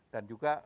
dan juga kekuatan